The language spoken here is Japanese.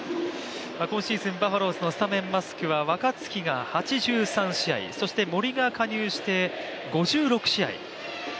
今シーズンバファローズのスタメンマスクは若月が８３試合、そして森が加入して５６試合。